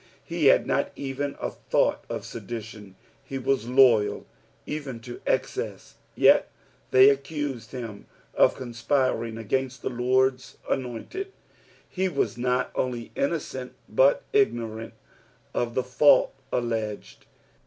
''' He had not even a thought of sedition ; he was loyal even to e:ccesB ; yet they accused him of conspiring against the Lord's anointed. He was not only innocent, but igno rant of the fault alleged.